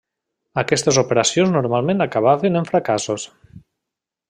Aquestes operacions normalment acabaven en fracassos.